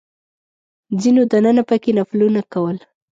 ځینو دننه په کې نفلونه کول.